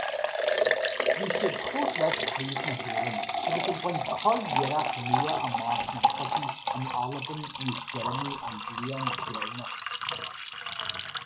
Bhí sé ag tabhairt leis Craobh na hÉireann agus ag baint curiarracht nua amach sna cluichí in Albain níos deireanaí an bhliain chéanna.